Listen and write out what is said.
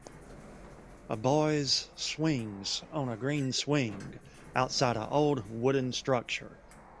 A boys swings on a green swing outside a old wooden structure.